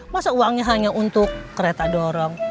masa uangnya hanya untuk kereta dorong